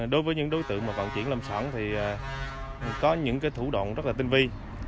đối với những đối tượng mà còn chuyển lâm sản thì có những thủ đoạn rất tinh vi